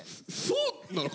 そうなの？